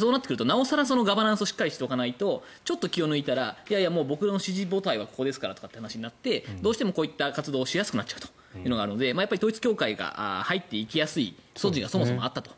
そうなってくるとなお更ガバナンスをちゃんとしておかないとちょっと気を抜いたら僕の支持母体はここですからって話になってどうしてもこうした活動をしやすくなっちゃうということがあるので統一教会が入っていきやすい素地がそもそもあったと。